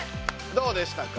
どうでしたか？